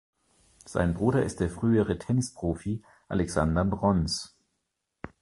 Sein Bruder ist der frühere Tennisprofi Alexander Mronz.